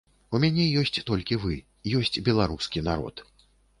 У мяне ёсць толькі вы, ёсць беларускі народ.